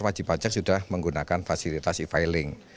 wajib pajak sudah menggunakan fasilitas e filing